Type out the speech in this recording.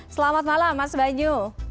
selamat malam mas banyu